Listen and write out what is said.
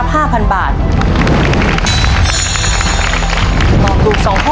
คำเอกในโครงสี่สุภาพ